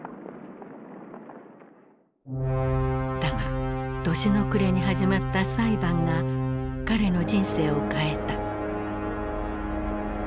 だが年の暮れに始まった裁判が彼の人生を変えた。